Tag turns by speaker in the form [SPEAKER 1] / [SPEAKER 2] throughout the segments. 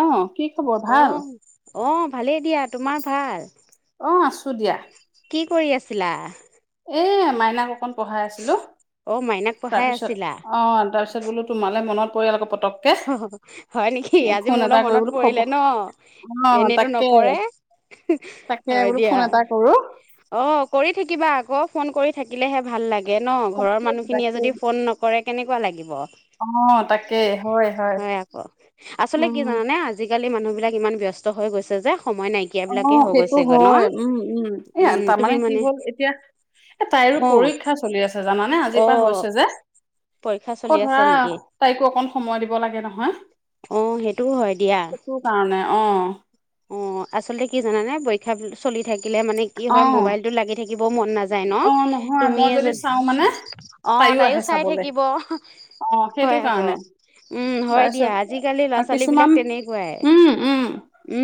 [SPEAKER 1] আহ কি খবৰ ভাল
[SPEAKER 2] অঁ ভালেই দিয়া তোমাৰ ভাল
[SPEAKER 1] অ আছো দিয়া
[SPEAKER 2] কি কৰি আছিলা
[SPEAKER 1] এ মাইনাক অকণ পঢ়াই আছিলো তাৰপিছত অ তাৰপিছ বো তোমালে মনত পৰি
[SPEAKER 2] হয় নেকি আজি মোৰ লগপ মনত পৰিলে ন এনেইতো নপৰে হয় দিয়া অ কৰি থাকিবা আক ফোন কৰি থাকিলেহে ভাল লাগে নে ঘৰৰ মানুহখিনিয়ে যদি ফোন নকৰে কেনে নিব লাগিব
[SPEAKER 1] অ তাক হয় হয় উম
[SPEAKER 2] আজিকালি মানুহবিলাক ইমান ব্যস্ত হৈ গৈছে যে।
[SPEAKER 1] অ সেইটো হয় উম উম এ তাৰমানে কি হ'ল এতিয়া এ তাইৰো পৰীক্ষা চলি আছে জানানে আজিৰ পৰা হৈছে যে ক ধৰা তাইকো অকন সময় দিব লাগে নহয় সেইটো কাৰণে অ
[SPEAKER 2] অ আচল্ততে কি জানে বৰীক্ষা চলি থাকে থাকিলে মান কি হয় মবাইলটো লাগি থাকে বৰ মন নাযায় ন তুমিয় য অ তাইো চাই থাকিব হয় আকৌ উম হয় দিয়া আজিকালি ল'ৰা ছোৱালী বিলাক তেনেকুৱাই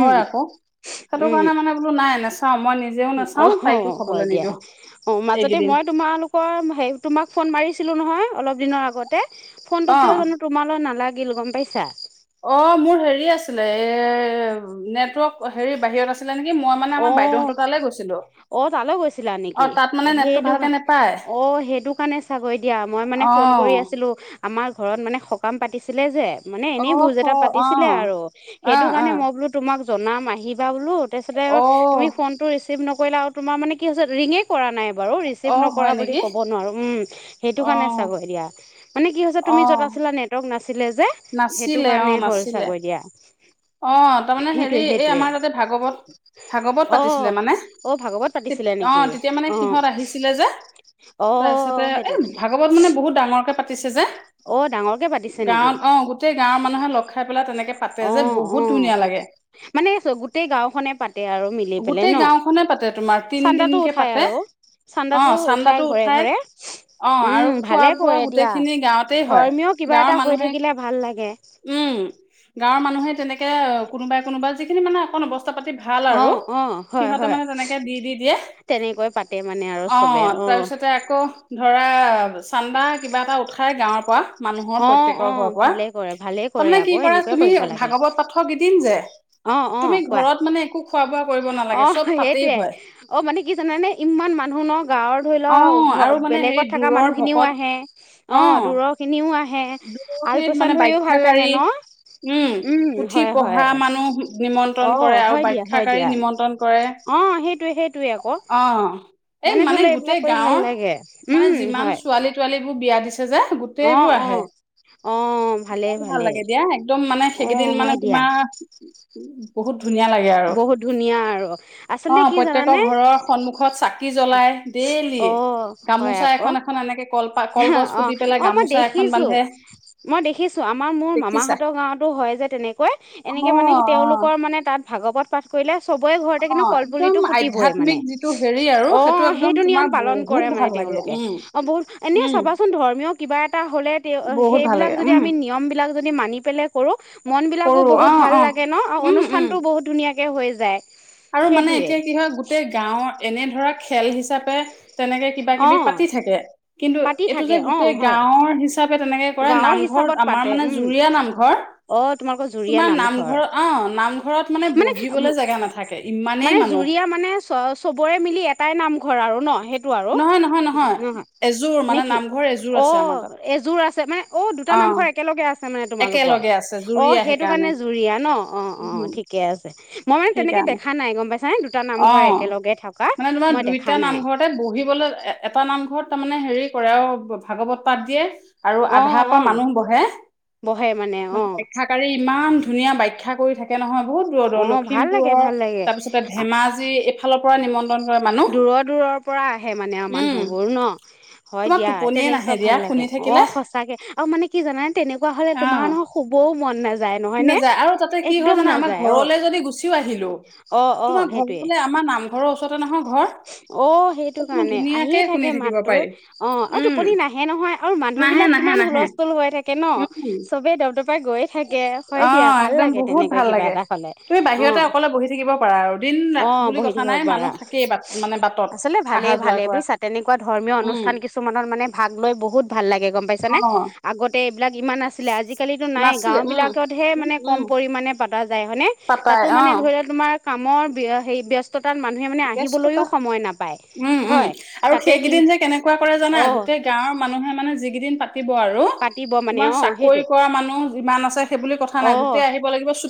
[SPEAKER 1] হয় আকৌ সেইটো কাৰণে মানে বোলো নাই নাচাও মই নিজেও নাচাও তাইকো চবলৈ নিদিওঁ
[SPEAKER 2] অ মাজতে মই তোমালোকৰ হে তোমাক ফোন মাৰিছিলো নহয় অলপ দিনৰ আগতে ফোন টো কিয় জানো তোমালৈ নালাগে। কি লগম পাইছা
[SPEAKER 1] নেটৱৰ্ক হেৰি বাহিৰত আছিল
[SPEAKER 2] অ অ তালৈ গৈছিলা নেকি সেইটো অ সেইটো কাৰণে চাগৈ দিয়া মই মানে ফোন কৰি আছিলো আমাৰ ঘৰত মানে সকাম পাতিছিলে যে মানে এনেই ভোজ এটা পাতিছিলে আৰু সেইটো কাৰণে মই বোলো তোমাক জনাম আহিবা ো তাৰিছতে তুমি ফোনটো ছেভ নকৰিলে আৰু তোমাৰ মানে কি হৈছে ৰিঙেই কৰা নাই বাৰু ৰিচিভ নকৰা বুলি ক'ব নোৱাৰো উম। সেইটো কাৰণে চাব এতিয়া উ মানে কি হৈছে তুমি যত আছিলা নেৱৰ্ক না ছিলে যে সেইটো কাৰণে হ'ল চাগৰি দিয়া
[SPEAKER 1] অ তাৰমানে হেৰি এই আমাৰ তাতে ভাগৱত ভাগৱত পাতিছিলে মানে অ তেতিয়া মানে সিহঁত আহিছিলে যে তাৰপিছতে এ ভাগৱত মানে বহুত ডাঙৰকে পাতি
[SPEAKER 2] অ ডাঙৰ পাতিছে নেকি অ আহ মানে গোটেই গাওখনে পাতে আৰু মিলি পেলাই ন চান্দাটো উঠাই আৰু চান্দাটো উঠাই ঘৰে ঘৰে উম ভালে কৰে দিয়া ধৰ্মীয় কিবা এটা হৈ থাকিলে ভাল লাগে
[SPEAKER 1] গাঁৱৰ মানুহে তেনেকে কোনোবাই কোনোবা যিখিনিান অক অ স ম অ ম ঠাই গাঁৱৰ পৰা
[SPEAKER 2] অ অ ভালেই কৰে ভালেই কৰে আকৌ এনেকুৱাই কৰিব লাগে অ অ কোৱা অ সেইটোৱে অ মানে কি জানানে ইমান মানুহ ন গাঁৱৰ ধৰি লোৱা ঘ বেলেগত থকা মানুহখিনিও আহে অ দূৰৰ খিনিও আহে
[SPEAKER 1] দূৰখিনিত মানে বাাখ্য্াকাৰী উম পুথি পঢ়া মানুহ নিমন্ত্ৰণ কৰে আৰু বাাখ্যাকাৰী নিমন্ত্ৰণ কৰে অ এই মানে গোটেই গাঁৱৰ মানে যিমান ছোৱালী তোৱালী বিয়া দিছে ছে যে গোটেইবোৰ আহে
[SPEAKER 2] আহ ভালেই ভালেই আহ হয় দিয়া
[SPEAKER 1] বহুত ধুনীয়া লাগে আৰু অ প্ৰত্যেকৰ ঘৰৰ সন্মুখত চাকি জ্বলাই দেইলি গামোচা এখন এখন এনেকে কল পা কলগছ পুতি পেলাই গামোচা এখন বান্ধে
[SPEAKER 2] মই দেখিছো আমাৰ মোৰ মামাহতৰ গাওতো হয় যে তেনেকৈ এনেকে মানে তেওঁলোকৰ মানে তাত ভাগৱত পঠ কৰিলে চবৰে ঘৰতে কিন্তু কলপুলিটো পুতিবই মানে অ সেইটো নিয়ম পালন কৰে মানে তেওঁলোকে অ বহুত এনে চাবাচোন ধৰ্মীয় কিবা এটা হ'লে সেইবিলাক যদি আমি নিয়ম বিলাক যদি মানি পেলাই কৰো মন বিিলাকো বহুত ভাল লাগে ন অনুষ্ঠানতো বহুত ধুনীয়া ধুনাকে হৈ যায়
[SPEAKER 1] আৰু মানে এতিয়া কি হয় গোটেই গাঁৱৰ এনে ধৰা খেলি হিচাপে তেনেকে কিবা কিবি পাতি থাকে কিন্তু এইটো যে গোটেই গাঁওৰ হিচাপে তেনেকে কৰে নামঘৰ আমাৰ মানে জুৰিয়া নামঘৰ তোমাৰ নামঘৰ অ নামঘৰত মানে বহিবলৈ জেগা নাথাকে
[SPEAKER 2] মানে জুৰিয়া মানে চ চবৰে মিলি এটাই নামঘৰ আৰু ন
[SPEAKER 1] নহয় নহয় নহয় এযোৰ মানে নামঘৰ এযোৰ আছে আমাৰ তাত
[SPEAKER 2] তাৰ মানে অ' দুটা নামঘৰ একেলগে আছে মানে তোমালোকৰ অঁ সেইটো কাৰণে জুৰিয়া ন অঁ অঁ ঠিকে আছে [unintelligible] মই মানে তেনেকে দেখা নাই গম পাইছে
[SPEAKER 1] অ মানে তোমাৰ দুইটা নামঘৰতে বহিবলে এটা নামঘৰত তাৰমানে হেৰি কৰে আৰু ভাগৱত তাত দিয়ে আৰু আধাৰ পৰা মানুহ বহে মানে বাখ্যাকাৰী ইমান ধুনীয়া বাখ্যা কৰি থাকে নহয় বহুত দূৰৰ দূৰৰ লখিমপুৰৰ তাৰপিছত
[SPEAKER 2] দূৰৰ দূৰৰ পৰা আহে মানে আৰু মানুহবোৰ ন হয় দিয়া তেনেকুৱা ভাল লাগে অ সঁচাকে আৰু মানে কি জানানে তেনেকুৱা হলে তোমাৰ নহয় শুবও মন নাযায় নহয় ন একদম নাযায়
[SPEAKER 1] ঘৰলৈ যদি গুচিও আহিলো তোমাৰ ঘৰলে আমাৰ নামঘৰৰ ওচৰতে নহয়
[SPEAKER 2] অ সেইটো কাৰণে আহিয়ে থাকে মাতটো অ আৰু টোপনি নাহে নহয় আৰু মানুহ বিলাক কিমান হুলস্থুল হৈ থাকে ন চবেই দব দবাই গৈ থাকে
[SPEAKER 1] অ একদম বহুত ভাল লাগে তুমি বাহিৰতে অকলে বহি থাকিব পাৰা আৰু দিন ৰাতি বুলি কথা নাই মানুহ থাকেই বাত
[SPEAKER 2] আচলে ভালেই ভালেই বুজিছা তেনেকুৱা ধৰ্মীয় অনুষ্ঠান কিছুমানত মানে ভাগ লৈ বহুত ভাল লাগে গম পাইছা নে আগতে বিলাক ইমান আছিলে আজিকালিতো নাই গাঁওবিলাকতহে মানে কম পৰিমাণে পাতে যায় হয়নে তাতো মানে ধৰি লও তোমাৰ কামৰ হে ব্যস্ত ত তাত মানুহে মানে আহে
[SPEAKER 1] উম উম আৰু সেইকেইদিন যে কেনেকুৱা কৰে জানা গোটেই গাঁৱৰ মানুহে মানে যিকেইদিন পাতিব আৰু তোমাৰ চাকৰি কৰা মানুহ যিমান আছে
[SPEAKER 2] অ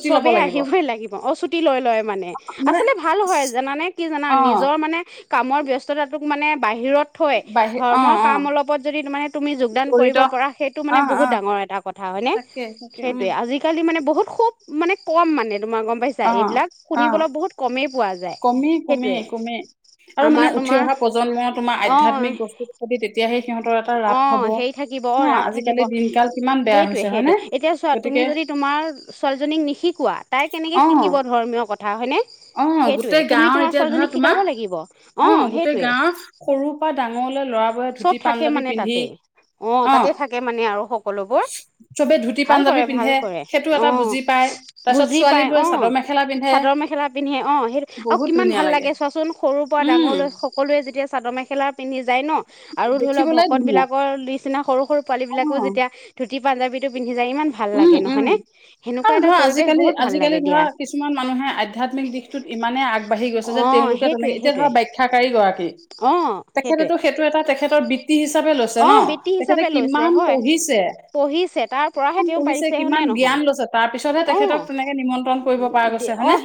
[SPEAKER 2] চবে আহিবই লাগিব অ ছুটি লৈ লয় লয় মানে আচলতে ভাল হয় জানানে কি জানা নিজৰ মানে কামৰ ব্যস্ততাতোক মানে বাহিৰত থৈ ধৰ্মৰ কাম অলপত যদি মানে তুমি যোগদান কৰিব পৰা সেইটো মানে বহুত ডাঙৰ এটা কথা হয়নে সেই আজিকালি মানে বহুত খুব মানে কম মানে। তোমাৰ গম পাইছা এইবিলাক শুনিবলৈ বহুত কমেই
[SPEAKER 1] কমেই কমে-কমে আৰু মানে উঠি অহা প্ৰজন্মই তোমাৰ আধ্যাত্মিক বস্তুটোৰ প্ৰতি তেতিয়াহে
[SPEAKER 2] অঁ সেই থাকিব অঁ ৰাপ থাকিব সেইটোৱে সেইটোৱে এতিয়া চোৱা তুমি যদি তোমাৰ ছোৱালীজনীক নিশিকোৱা তাই কেনেকে শিকিব ধৰ্মীয় কথা হয়নে, সেইটোৱে।
[SPEAKER 1] গাঁৱৰ এতিয়া ধৰা তোমাৰ অঁ গোটেই গাঁৱৰ সৰু পৰা ডাঙৰলে ল'ৰাবোৰে ধুতি পান
[SPEAKER 2] থাকে মানে তাতে অঁ তাতে থাকে মানে আৰু সকলোবোৰ ভাল কৰে-ভাল কৰে অঁ বুজি পায় অঁ চাদৰ মেখেলা পিন্ধে অঁ সেই আৰু কিমান ভাল লাগে চোৱাচোন সৰুৰ পৰা ডাঙৰলৈ সকলোৱে যেতিয়া চাদৰ মেখেলা পিন্ধি যায় ন আৰু ধৰি লওক [unintelligible] বিলাকৰ লিষ্ট সিনা সৰু সৰু পোৱালি বিলাকো যেতিয়া ধু ধুতি পাঞ্জাবীটো পিন্ধি
[SPEAKER 1] উম উম আৰু ধৰা আজিকালি-আজিকালি ধৰা কিছুমান মানুহে আধ্যাত্মিক দিশটোত ইমানেই আগবাঢ়ি গৈছে যে তেওঁলোকে তেনেকে এতিয়া ধৰা বাখ্যাকাৰী গৰাকী, তেখেতো সেইটো এটা তেখেতৰ বি্ত বৃত্তি হিচাপে লৈছে ন তেখেতে কিমান পঢ়িছে। কিমান পঢ়িছে কিমান জ্ঞান লৈছে তাৰ পিছতহে তেখেতক তেনেকে নিমন্ত্ৰণ কৰিব পৰা গৈছে হয়নে।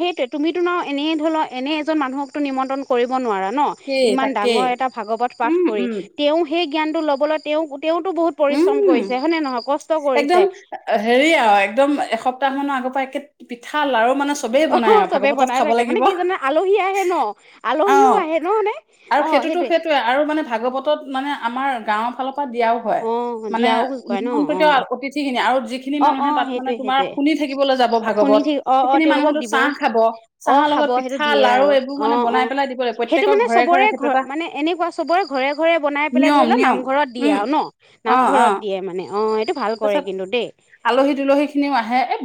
[SPEAKER 2] এনে এজন মানুহকটো নিমন্ত্ৰণ কৰিব নোৱাৰা। ন ইমান ডাঙৰ এটা ভাগৱত পাঠ কৰি। সেই জ্ঞানটো লবলৈ তেওঁ তেওঁতো বহুত পৰিশ্ৰম কৰিছে হয়নে নহয় কষ্ট কৰিছে।
[SPEAKER 1] প্তাহ মানৰ আগৰ পৰা একে পিঠা লাৰু মানে চবেই বনাই আৰু ভাগৱতত খাব লাগিব অ আৰু সেইটোতো সেইটোয়ে আৰু মানে ভাগৱতত মানে আমাৰ গাঁৱৰ ফালৰ পৰা দিয়া হয় মানে নিমন্ত্ৰিত অতিথি খিনি আৰু যিখিনি মানুহে তাত মানে তোমাৰ শুনি থাকিবলৈ যাব ভাগৱত সেইখিনি মানুহো চাহ খাব চাহৰ লগত পিঠা লাৰু এইবোৰ মানে বনাই পেলাই দিব লাগে প্ৰত্যেকৰ ঘৰে ঘৰে সেইটো এটা নিয়ম-নিয়ম উম।
[SPEAKER 2] নামঘৰত দিয়ে মানে।
[SPEAKER 1] তাৰ পাছত আলহী তুলহী খিনিও আহে এ।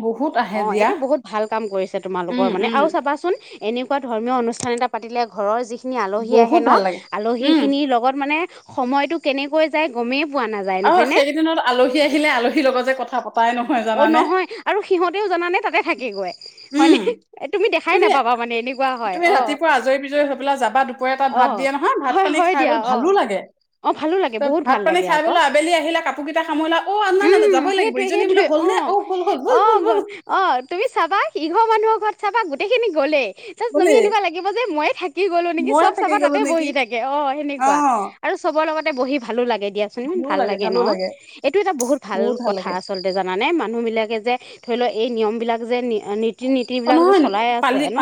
[SPEAKER 2] অঁ এইটো বহুত ভাল কাম কৰিছে তোমালোকৰ মানে আৰু চাবাচোন এনেকুৱা ধৰ্মীয় অনুষ্ঠান এটা পাতিলে ঘৰৰ যি খিনি আলহী আহে ন আলহী খিনিৰ লগত মানে সময়টো কেনেকৈ যায় গমেই
[SPEAKER 1] আৰু সেইকেইদিনত আলহী আহিলে আলহীৰ লগ যে কথা পা
[SPEAKER 2] অ নহয় আৰু সিহঁতেও জানে তাতে থাকেগৈ
[SPEAKER 1] উম তুমি তুমি ৰাতিপুৱা আজৰি বিজৰি হৈ পেলাই যাবা দুপৰীয়া এ তাত ভাত দিয়া নহয় ভাত পানী খাই বল ভালো লাগে ত ভাত পানী খাই বলৈ আবেলি আহিলা কাপোৰ কেইটা সামৰিলা অ নাই ন না যাবই লাগিব ইজনী বোলে
[SPEAKER 2] অ অ গ'ল অ তুমি চাবা সিহৰ মানুহৰ ঘৰত চাবা গোটেইখিনি গলে তুমি এনেকুৱা লাগিব যে মইে থাকি গলো নেকি চব চাবা তাতে বহি থাকে অ সেনেকুৱা আৰু চবৰ লগত বহি ভালো লাগে। দিয়াচোন ইমান ভাল লাগে ন এইটো এটা বহুত ভাল কথা আচল্ততে জান মানুহ বিলাকে যে ধৰি লও এই নিয়ম বিলাক যে ৰীতি নীতি বিলাক যে চলাই আছে ন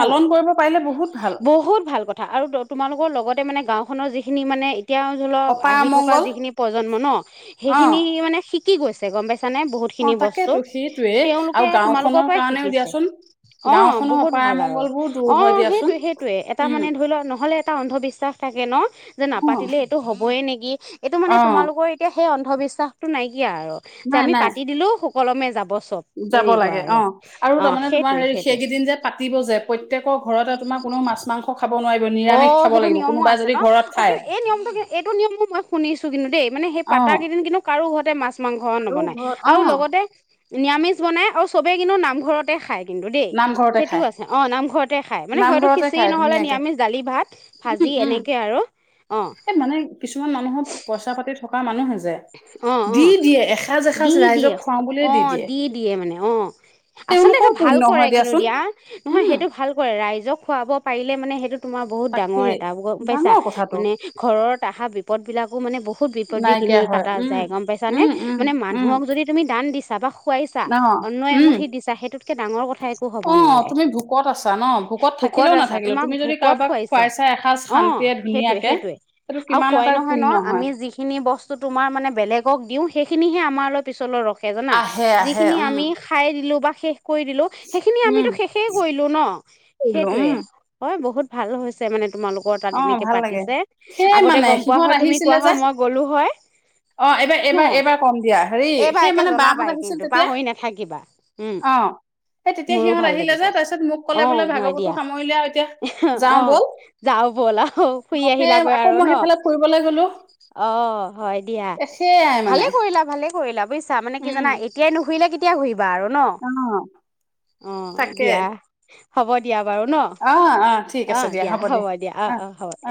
[SPEAKER 2] বহুত ভাল কথা আৰু তোমালোকৰ লগত মানে গাঁওখনৰ যিখিনি মানে এতিয়াও ধৰি লওক আহি থকা যিখিনি প্ৰজন্ম ন সেইখিনি মানে কি গৈছে গম পাইছা নে। স খিনি বস্তু তেওঁলোকে তোমালোকৰ পৰাই শিকিছে অ বহুত ভাল আৰু অ সেইটোে সেইটোয়ে এটা মানে ধৰি লোৱা নহলে এটা অন্ধবিশ্বাস থাকে ন যে নাপাতিলে এইটো হ'বইে নেকি এইটো মানে তোমালোকৰ এতিয়া। সেই অন্ধবিশ্বাসত নাইকি আৰু আমি পা সুকলমে যাব
[SPEAKER 1] যাব লাগে অ আৰু তাৰমানে তোমাৰ হেৰি সেইকেইদিন যে পাতিব যে প্ৰত্যেকৰ ঘৰতে তোমাৰ কোনো মাছ মাংস খাব
[SPEAKER 2] অ সেইটো নিয়মো আছে ন অ কিন্তু এই নিয়মটো এইটো নিয়মো মই শুনিছো কিন্তু দেই মানে সেই পাত কেইদিন কিন্তু কাৰো ঘৰতে মাছ মাংস নবনাই আৰু লগতে নিৰামিষ বনাই আৰু চবেই কিন্তু নামঘৰতে খায় কিন্তু দেই সেইটোও আছে অ নামঘৰতে খাই মানে হয়তো সিঁচি নহ'লে নিৰামিষ দালি ভাত ভাজি এনেকে আৰু
[SPEAKER 1] এ মানে কিছুমান মানুহৰ পইচা পাতি থকা মানুহে হৈছে
[SPEAKER 2] অ অ দি দিয়ে অ দি দিয়ে মানে অ আচলতে ভাল কৰে কিন্তু দিয়া নহয় সেইটো ভাল কৰে ৰাইজক খুৱাব পাৰিল মানেেইটো তোমাৰ বহুত ডাঙৰ এটা গম পাইছা মানে ঘৰত আহা বিপদ বিলাকো মানে বহুত বিপদ বিঘিনি যায় গম পাইছা নে মানে মানুহক যদি তুমি টান দিছা বা খুৱাইছা অন্ন এমুঠি দিছা সেইটোতকে ডাঙৰ কথা একো হব নোৱাৰে ভোকত আছা তোমাক ভোকত খুৱাইছে অ সেইটোৱে সেইটোৱে আৰু খোৱাই নহয় ন আমি যিখিনি বস্তু তোমাৰ মানে বেলেগক দিওঁ সেইখিনিহে আমাৰৈ পিছলৈ ৰখ থাকে জানা যিখিনি আমি খাই দিলোঁ বা উি কৰি দিলো সেইখিনি আমিতো শেষেই কৰিলো ন সেইটয়ে হয় বহুত ভাল হৈছে মানে তোমালোকৰ তাত এনেকে পাতিছে আগতে গম পোৱা হয় তুমি কোৱা হয় মই গ'লো হয়
[SPEAKER 1] অ এইবাৰ এইবাৰ এইবাৰ কম দিয়া হেৰি সেই মানে বহত আহিছিল তেতিয়া অ সেই তেতিয়া সিহঁত আহিলে যে তাৰপিছত মোক কলে বোলে ভাগৱতো সামৰিলিয়া এতিয়া যাও ব'ল।
[SPEAKER 2] যাও বল অ ফুৰি আহিলাগৈ আৰু ন অ দিয়া ভালে কৰিলা ভালে কৰিলা বুজিছা মানে কি জানা এতিয়াই নু ঘইে কেতিয়া ঘৰিম বা আৰু ন অ দিয়া হ'ব দিয়া
[SPEAKER 1] অ অ ঠিক আছে দিয়া হ'ব দিয়া অ অ